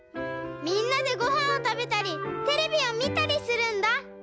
みんなでごはんをたべたりテレビをみたりするんだ。